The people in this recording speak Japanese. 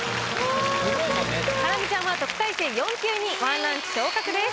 ハラミちゃんは特待生４級に１ランク昇格です。